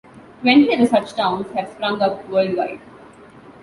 Twenty other such towns have sprung up worldwide.